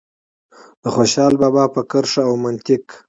د خوشال بابا په کرښه او منطق.